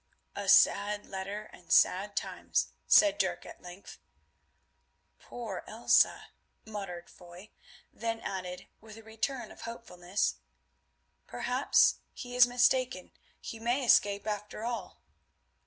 "A sad letter and sad times!" said Dirk at length. "Poor Elsa," muttered Foy, then added, with a return of hopefulness, "perhaps he is mistaken, he may escape after all."